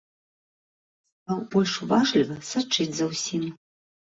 Стаў больш уважліва сачыць за ўсім.